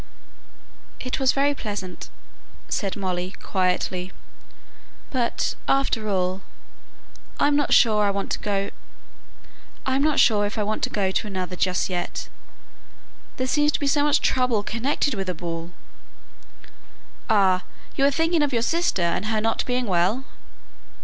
"It was very pleasant," said Molly, quietly. "But, after all, I'm not sure if I want to go to another just yet; there seems to be so much trouble connected with a ball." "Ah! you are thinking of your sister, and her not being well?"